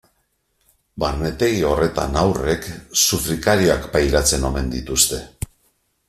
Barnetegi horretan haurrek sufrikarioak pairatzen omen dituzte.